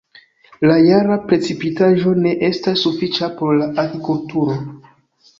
La jara precipitaĵo ne estas sufiĉa por la agrikulturo.